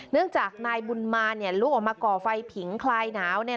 เนื่องจากนายบุญมาเนี่ยลุกออกมาก่อไฟผิงคลายหนาวเนี่ย